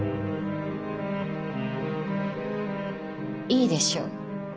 いいでしょう。